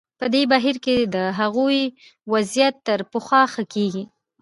په دې بهیر کې د هغوی وضعیت تر پخوا ښه کېږي.